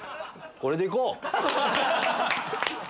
これで行こう！